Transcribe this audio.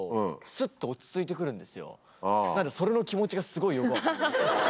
なのでそれの気持ちがすごいよく分かります。